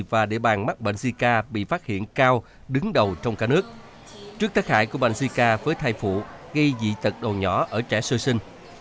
và địa bàn mắc bệnh zika bị phát hiện cao đứng đầu trong cả nước trước tác hại của bệnh suy ca với thai phụ gây dị tật đồ nhỏ ở trẻ sơ sinh